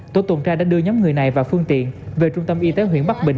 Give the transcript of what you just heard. tổ tuần trai đã đưa nhóm người này vào phương tiện về trung tâm y tế huyện bắc bình